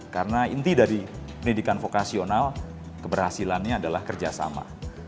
karena inti dari pendidikan vokasional keberhasilannya adalah kerjasama